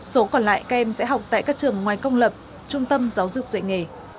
số còn lại các em sẽ học tại các trường ngoài công lập trung tâm giáo dục dạy nghề